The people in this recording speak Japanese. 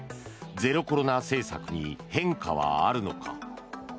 ゼロコロナ政策に変化はあるのか。